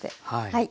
はい。